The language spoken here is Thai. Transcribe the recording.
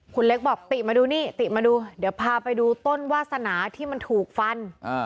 คุณเล็กบอกติมาดูนี่ติมาดูเดี๋ยวพาไปดูต้นวาสนาที่มันถูกฟัน